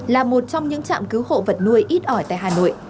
là một trong những trạm cứu hộ vật nuôi ít ỏi tại hà nội